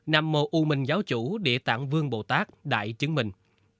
nằm mồ ưu mình giáo chủ địa tảng vương bồ tát đại chứng minh